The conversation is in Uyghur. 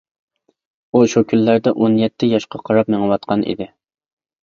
ئۇ شۇ كۈنلەردە ئون يەتتە ياشقا قاراپ مېڭىۋاتقان ئىدى.